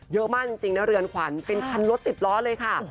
เยอะมากจริงนะเรือนขวัญเป็นคันรถสิบล้อเลยค่ะ